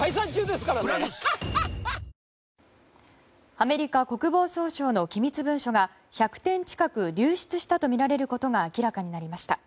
アメリカ国防総省の機密文書が１００点近く流出したとみられることが明らかになりました。